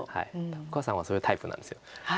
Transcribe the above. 福岡さんはそういうタイプなんです。